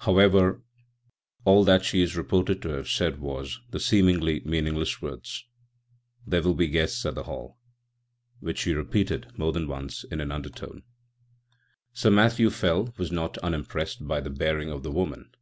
However, all that she is reported to have said was the seemingly meaningless words: "There will be guests at the Hall." Which she repeated more than once in an undertone. Sir Matthew Fell was not unimpressed by the bearing of the woman.